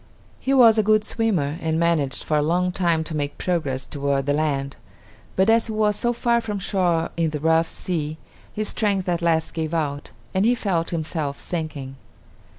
He was a good swimmer, and managed for a long time to make progress toward the land; but as he was so far from shore in the rough sea, his strength at last gave out and he felt himself sinking.